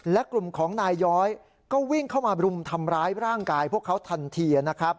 และกลุ่มของนายย้อยก็วิ่งเข้ามารุมทำร้ายร่างกายพวกเขาทันทีนะครับ